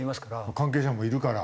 関係者もいるから。